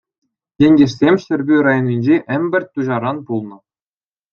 Ентешсем Ҫӗрпӳ районӗнчи Ӗмпӗрт Туҫаран пулнӑ.